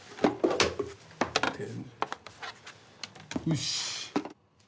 よし！